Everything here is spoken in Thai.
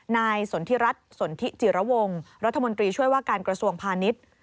นายสนทิรัฐสนทิจิระวงรัฐมนตรีช่วยว่าการกระทรวงพาณิชย์